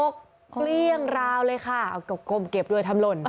เกลี้ยงราวเลยค่ะเอากบเก็บด้วยทำหล่น